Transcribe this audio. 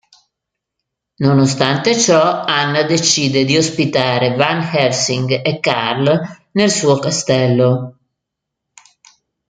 Nonostante ciò, Anna decide di ospitare Van Helsing e Carl nel suo castello.